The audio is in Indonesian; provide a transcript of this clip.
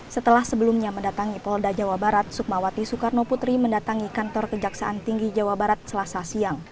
setelah sebelumnya mendatangi polda jawa barat sukmawati soekarno putri mendatangi kantor kejaksaan tinggi jawa barat selasa siang